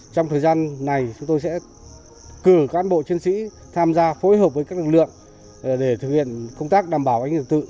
trong thời gian này chúng tôi sẽ cử các an bộ chiến sĩ tham gia phối hợp với các lực lượng để thực hiện công tác đảm bảo hành trật tự